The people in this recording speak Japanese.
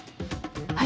はい。